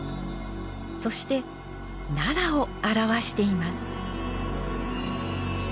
そして奈良を表しています。